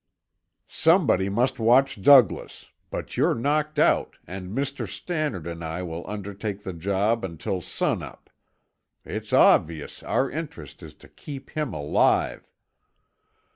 "Somebody must watch Douglas, but you're knocked out and Mr. Stannard and I will undertake the job until sun up. It's obvious our interest is to keep him alive."